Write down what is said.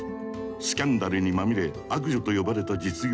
スキャンダルにまみれ「悪女」と呼ばれた実業家